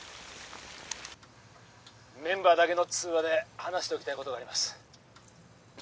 メンバーだけの通話で話しておきたいことがあります